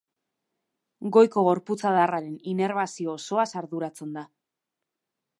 Goiko gorputz-adarraren inerbazio osoaz arduratzen da.